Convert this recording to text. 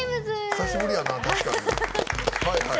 久しぶりやな、確かに。